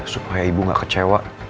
supaya ibu gak kecewa